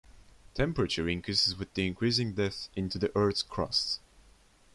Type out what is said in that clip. Temperature increases with increasing depth into the Earth's crust.